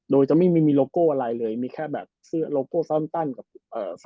โดยจะไม่มีโลโก้อะไรเลยมีแค่แบบซื้อโลโก้ซัลต้านตั้นกับสปอนเซอร์